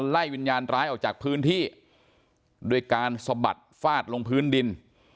ไล่วิญญาณร้ายออกจากพื้นที่ด้วยการสะบัดฟาดลงพื้นดิน